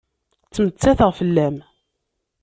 Ttmettateɣ fell-am.